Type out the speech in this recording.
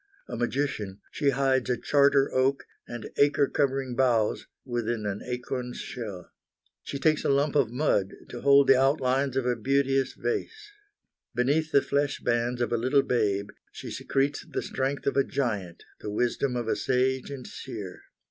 A magician, she hides a charter oak and acre covering boughs within an acorn's shell. She takes a lump of mud to hold the outlines of a beauteous vase. Beneath the flesh bands of a little babe she secretes the strength of a giant, the wisdom of a sage and seer.